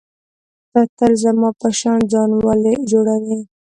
ته تل زما په شان ځان ولي جوړوې.